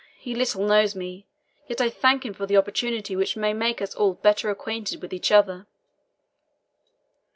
He little knows me. Yet I thank him for the opportunity which may make us all better acquainted with each other."